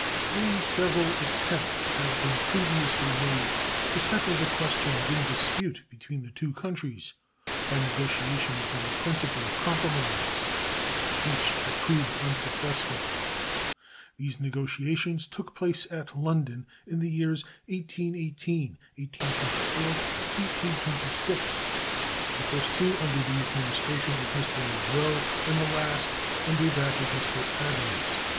Three several attempts had been previously made to settle the questions in dispute between the two countries by negotiation upon the principle of compromise, but each had proved unsuccessful. These negotiations took place at London in the years 1818, 1824, and 1826 the two first under the Administration of Mr. Monroe and the last under that of Mr. Adams.